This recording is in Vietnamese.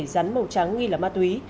rắn màu trắng nghi là ma túy